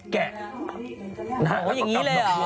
กำลังแกะ